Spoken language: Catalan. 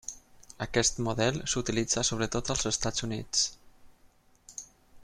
Aquest model s'utilitza sobretot als Estats Units.